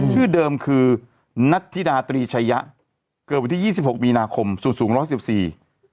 ชื่อเดิมคือนัทธิดาตรีชัยะเกิดวันที่๒๖มีนาคมสูงรักษัยสี่